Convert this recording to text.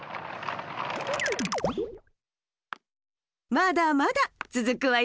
まだまだつづくわよ。